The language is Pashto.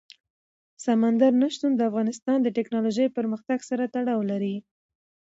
سمندر نه شتون د افغانستان د تکنالوژۍ پرمختګ سره تړاو لري.